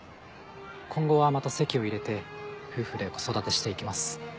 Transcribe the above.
今後はまた籍を入れて夫婦で子育てしていきます。